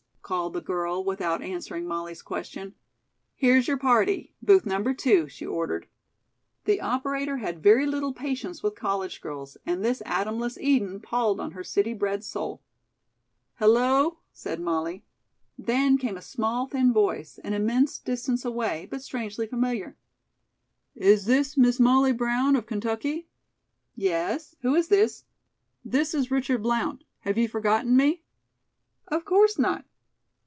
called the girl, without answering Molly's question. "Here's your party. Booth No. 2," she ordered. The operator had very little patience with college girls, and this Adamless Eden palled on her city bred soul. "Hello!" said Molly. Then came a small, thin voice, an immense distance away, but strangely familiar. "Is this Miss Molly Brown of Kentucky?" "Yes. Who is this?" "This is Richard Blount. Have you forgotten me?" "Of course not."